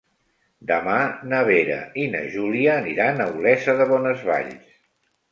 Demà na Vera i na Júlia aniran a Olesa de Bonesvalls.